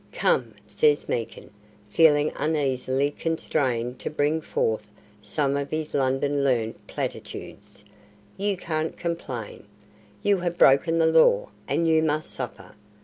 "Come," says Meekin, feeling uneasily constrained to bring forth some of his London learnt platitudes. "You can't complain. You have broken the Law, and you must suffer.